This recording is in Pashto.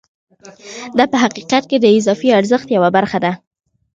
دا په حقیقت کې د اضافي ارزښت یوه برخه ده